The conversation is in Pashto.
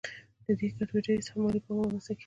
د دې ګډېدو څخه مالي پانګه رامنځته کېږي